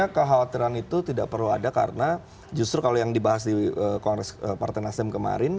maka khawatiran itu tidak perlu ada karena justru kalau yang dibahas di kongres parten asem kemarin